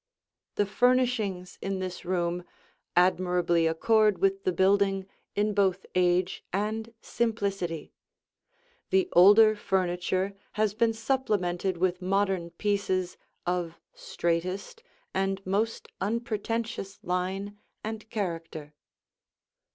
The furnishings in this room admirably accord with the building in both age and simplicity. The older furniture has been supplemented with modern pieces of straightest and most unpretentious line and character.